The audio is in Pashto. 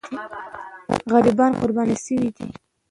غریبان قرباني سوي دي.